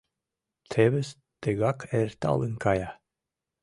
Тевыс тыгак эрталын кая.